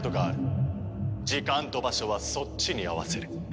時間と場所はそっちに合わせる。